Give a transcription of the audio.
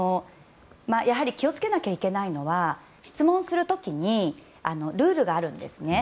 気をつけなきゃいけないのは質問する時にルールがあるんですね。